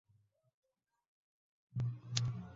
El silencio persiste en la sala.